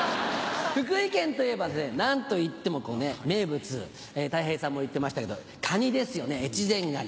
福井県といえば何といっても名物たい平さんも言ってましたけどカニですよね越前ガニ。